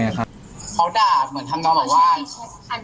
เขาก็เริ่มพักมาหาหนูสร้างแชทปุ่มด่าหนูอะไรอย่างเงี้ย